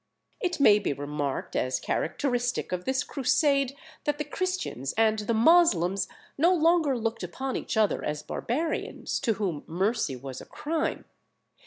It may be remarked as characteristic of this Crusade, that the Christians and the Moslems no longer looked upon each other as barbarians, to whom mercy was a crime.